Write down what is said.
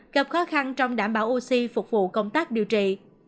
gặp khó khăn trong đảm bảo oxy phục vụ công tác điều trị